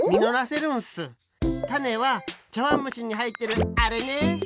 タネはちゃわんむしにはいってるあれね！